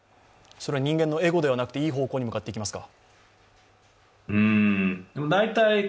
それは人間のエゴではなくて、いい方向に向かっていきますか。